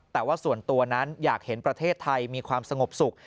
แต่ว่าส่วนตัวนั้นอยากเห็นประเทศไทยมีความสงบสุข